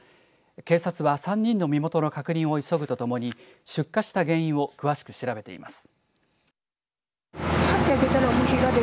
警察は３人の身元の確認を急ぐとともに出火した原因を詳しく調べています。